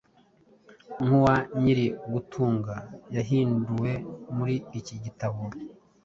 nkuwa nyiri gutunga yahinduwe muri iki gitabo